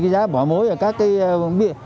giá bỏ mối ở các cái